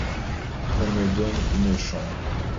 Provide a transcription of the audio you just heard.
Qu'on me donne une chambre.